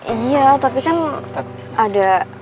iya tapi kan ada